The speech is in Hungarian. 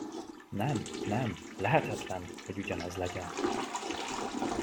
Nem, nem, lehetetlen, hogy ugyanaz legyen!